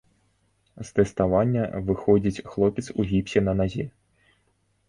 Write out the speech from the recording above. З тэставання выходзіць хлопец у гіпсе на назе!